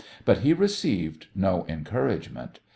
But he received no encouragement.